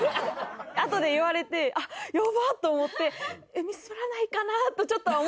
あとで言われてやばっ！と思ってミスらないかなとちょっと思った。